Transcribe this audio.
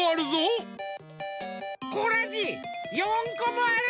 コラジ４こもある。